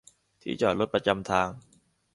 ที่จอดรถประจำทาง